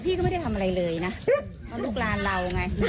พี่ก็ไม่ได้ทำอะไรเลยน่ะเพราะลูกร้านเราไงมารังแจเรา